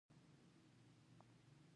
څنګه کولی شم په کور کې وائی فای سیټ کړم